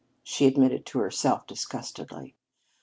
she admitted to herself disgustedly.